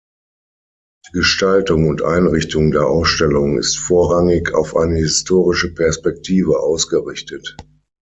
Die Gestaltung und Einrichtung der Ausstellung ist vorrangig auf eine historische Perspektive ausgerichtet.